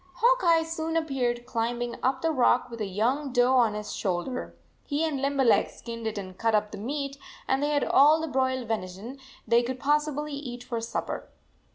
Hawk Eye soon appeared climb ing up the rock with a young doe on his shoulder. He and Limberleg skinned it and cut up the meat, and they had all the broiled venison they could possibly eat for supper.